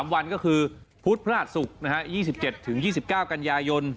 ๓วันก็คือพุธพระราชศุกร์๒๗๒๙กันยายน